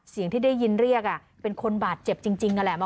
เสียงที่ได้ยินเรียกอ่ะเป็นคนบาดเจ็บจริงจริงน่ะแหละ